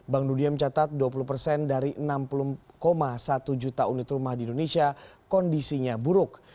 bank dunia mencatat dua puluh persen dari enam puluh satu juta unit rumah di indonesia kondisinya buruk